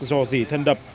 do dì thân đập